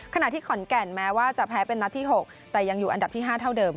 ขณะที่ขอนแก่นแม้ว่าจะแพ้เป็นนัดที่๖แต่ยังอยู่อันดับที่๕เท่าเดิม